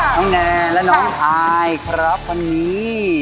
น้องแนนและน้องไอค์ครับวันนี้